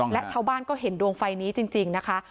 และชาวบ้านก็เห็นดวงไฟนี้จริงนะคะ